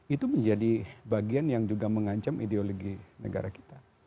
itu menjadi bagian yang juga mengancam ideologi negara kita